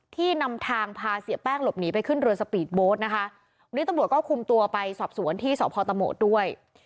ที่นำทางพาเสียแป้งหลบหนีไปขึ้นเรือสปีดโบ๊ทนะคะวันนี้ตำรวจก็คุมตัวไปสอบสวนที่สพตะโหมดด้วย